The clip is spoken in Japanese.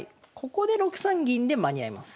ここで６三銀で間に合います。